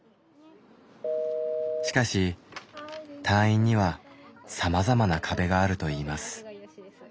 しかし退院にはさまざまな壁があるといいます。